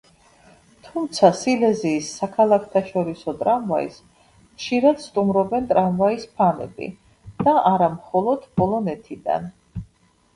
თუმცა სილეზიის საქალაქთაშორისო ტრამვაის ხშირად სტუმრობენ ტრამვაის ფანები და არა მხოლოდ პოლონეთიდან.